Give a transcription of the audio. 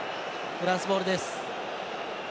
フランスボールです。